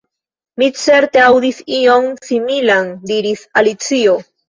"Mi certe aŭdis ion similan," diris Alicio.